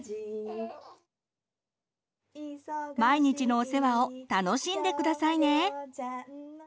毎日のお世話を楽しんでくださいね！